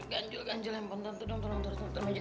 ganjel ganjel yang pentar itu dong tolong turun aja